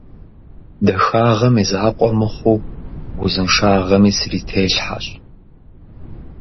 Дахагъэм и закъуэ мыхъуу, узыншагъэми срителъхьэщ.